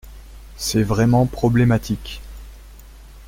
C’est vraiment problématique.